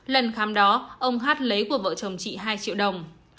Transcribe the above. lần khám đó ông hát lấy của vợ chồng chị hai triệu đồng